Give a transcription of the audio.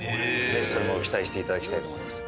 ぜひそれも期待していただきたいと思います。